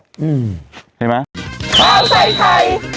ใช่มั้ย